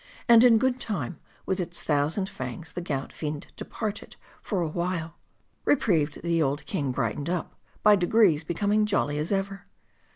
And in good time, with its thousand fangs, the gout fiend departed for a while. Reprieved, the old king brightened up ; by degrees be coming jolly as ever.